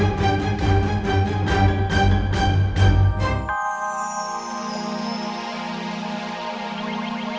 akan aku jelasin semuanya ke kamu